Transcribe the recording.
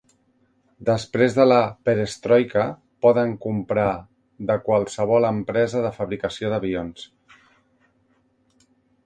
Després de la Perestroika, poden comprar de qualsevol empresa de fabricació d'avions.